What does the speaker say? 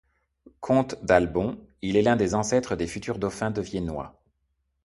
Comte d'Albon, il est l'un des ancêtres des futurs dauphins de Viennois.